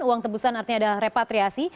uang tebusan artinya ada repatriasi